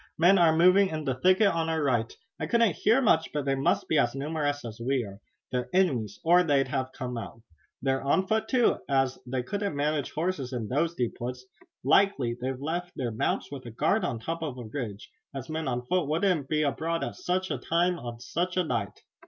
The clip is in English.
"Men are moving in the thicket on our right. I couldn't hear much, but they must be as numerous as we are. They're enemies or they'd have come out. They're on foot, too, as they couldn't manage horses in those deep woods. Likely they've left their mounts with a guard on top of a ridge, as men on foot wouldn't be abroad at such a time on such a night."